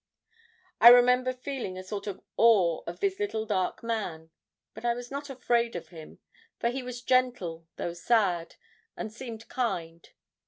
I remember feeling a sort of awe of this little dark man; but I was not afraid of him, for he was gentle, though sad and seemed kind.